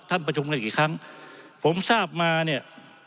ประชุมกันกี่ครั้งผมทราบมาเนี่ย